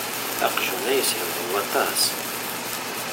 Aqjun-a yeshewhiw aṭas.